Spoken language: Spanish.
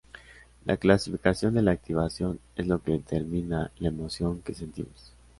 La clasificación de la activación es lo que determina la emoción que sentimos.